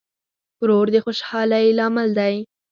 ورور د خوشحالۍ لامل دی.